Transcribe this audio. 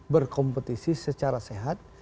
berkompetisi secara sehat